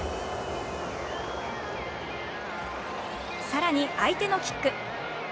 さらに、相手のキック。